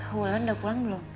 wulan udah pulang belum